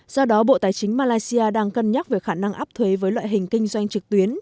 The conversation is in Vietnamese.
do đó bộ tài chính malaysia đang cân nhắc về khả năng áp thuế với loại hình kinh doanh trực tuyến